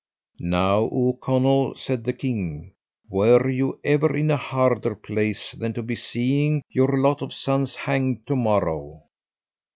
"Now, O Conall," said the king, "were you ever in a harder place than to be seeing your lot of sons hanged tomorrow?